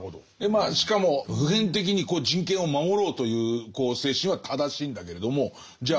まあしかも普遍的に人権を守ろうという精神は正しいんだけれどもじゃ